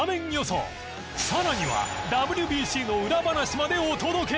更にはＷＢＣの裏話までお届け！